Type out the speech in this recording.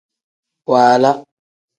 Waala.